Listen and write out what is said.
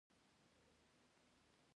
چې دا موټر طالبانو درکړى.